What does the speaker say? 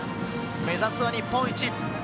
目指すは日本一。